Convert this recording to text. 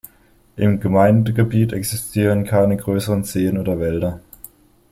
Im Gemeindegebiet existieren keine größeren Seen oder Wälder.